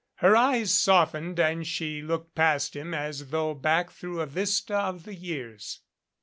Her eyes softened and she looked past him as though back through a vista of the years.